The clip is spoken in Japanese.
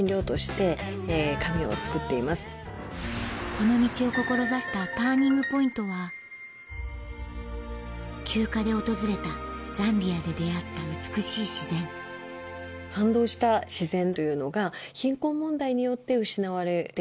この道を志したＴＵＲＮＩＮＧＰＯＩＮＴは休暇で訪れたザンビアで出合った美しい自然感動した自然というのが貧困問題によって失われていると。